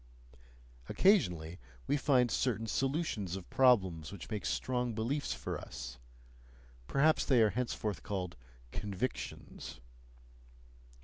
Occasionally we find certain solutions of problems which make strong beliefs for us; perhaps they are henceforth called "convictions."